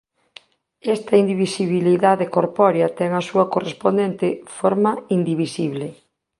Esta indivisibilidade corpórea ten a súa correspondente "forma indivisible".